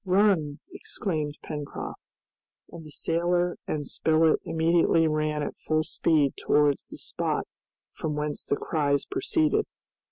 "Run!" exclaimed Pencroft. And the sailor and Spilett immediately ran at full speed towards the spot from whence the cries proceeded.